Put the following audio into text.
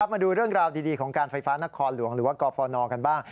มาดูเรื่องราวดีของการไฟฟ้านครหลวงหรือว่ากฟนกันบ้าง